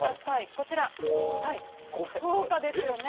こちら、豪華ですよね。